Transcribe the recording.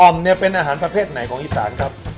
เนี่ยเป็นอาหารประเภทไหนของอีสานครับ